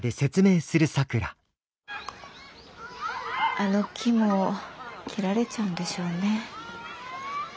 あの木も切られちゃうんでしょうね。